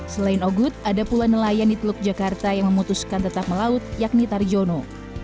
selain ogut ada pula nelayan di teluk jakarta yang memutuskan tetap melaut yakni tarjono